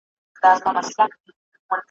مودې وسوې چا یې مخ نه وو لیدلی `